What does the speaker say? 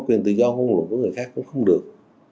quyền tự do ngôn luận của người khác cũng không được